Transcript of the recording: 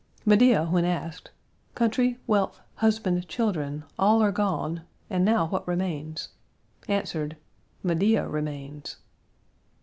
Medea, when asked: "Country, wealth, husband, children, all are gone; and now what remains?" answered: "Medea remains."